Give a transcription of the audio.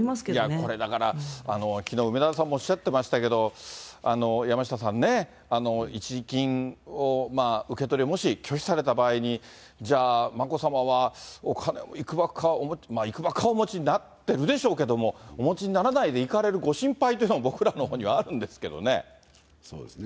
これだから、きのう、梅沢さんもおっしゃってましたけど、山下さんね、一時金を受け取り、もし拒否された場合に、じゃあ、眞子さまはお金をいくばくか、いくばくかはお持ちになってるでしょうけれども、お持ちにならないで行かれるご心配というのも、そうですね。